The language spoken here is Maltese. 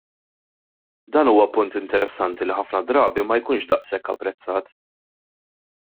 Dan huwa punt interessanti li ħafna drabi ma jkunx daqshekk apprezzat.